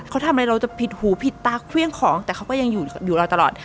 เขาทำอะไรเราจะผิดหูผิดตาเครื่องของแต่เขาก็ยังอยู่เราตลอด